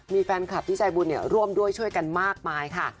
มีแฟนคลับที่ใจบุญร่วมด้วยช่วยกันมากมายค่ะ